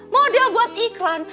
model buat iklan